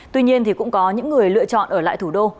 tuy nhiên thì cũng có những người lựa chọn ở lại thủ đô